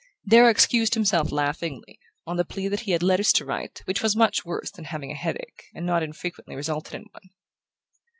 Darrow excused himself laughingly, on the plea that he had letters to write, which was much worse than having a headache, and not infrequently resulted in one.